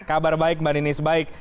kabar baik mbak ninis baik